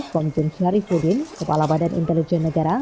komjen syarifudin kepala badan intelijen negara